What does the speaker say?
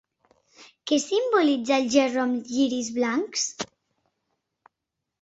Què simbolitza el gerro amb lliris blancs?